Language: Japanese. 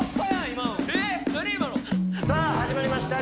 今のさあ始まりました